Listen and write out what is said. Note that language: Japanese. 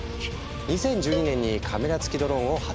２０１２年にカメラ付きドローンを発売。